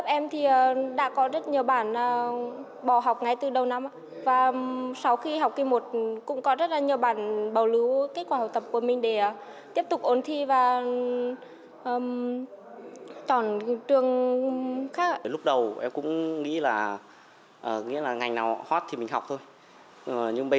em thấy có rất là nhiều bạn học mà không thể biết là tại sao mình lại học trường này tại sao mình lại chọn trường này